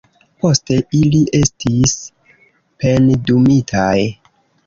Poste ili estis pendumitaj.